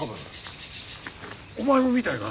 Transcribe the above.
お前も見たよな？